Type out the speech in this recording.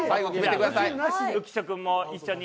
浮所君も一緒に。